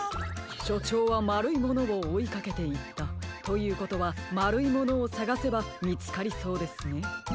しょちょうはまるいものをおいかけていったということはまるいものをさがせばみつかりそうですね。